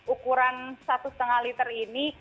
ukuran satu lima liter ini